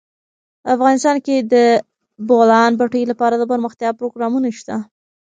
افغانستان کې د د بولان پټي لپاره دپرمختیا پروګرامونه شته.